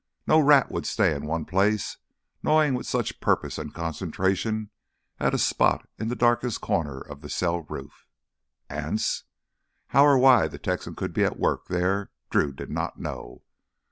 No rat would stay in one place, gnawing with such purpose and concentration at a spot in the darkest corner of the cell roof. Anse? How or why the Texan could be at work there, Drew did not know.